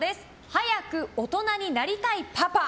「＃早く大人になりたいパパ」。